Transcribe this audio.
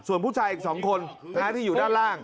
ส่วนผู้ชายอีก๒คนที่อยู่ด้านล่าง